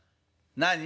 何？